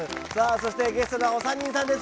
そしてゲストのお三人さんです。